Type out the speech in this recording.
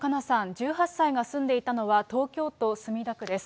１８歳が住んでいたのは、東京都墨田区です。